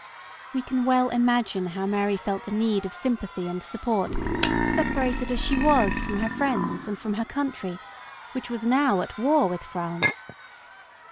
We can well imagine how Mary felt the need of sym pathy and support, separated as she was from her friends and from her country, which was now at war with France.